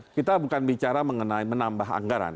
kita bukan bicara mengenai menambah anggaran